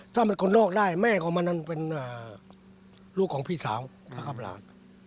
ถ้ามันคนนอกได้แม่ของมันนั้นเป็นลูกของพี่สาวนะครับหลาน